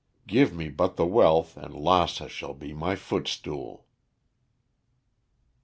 Give me but the wealth and Lassa shall be my footstool."